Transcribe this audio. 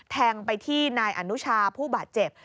แทงไปที่นายอนุชาผู้บาดเจ็บ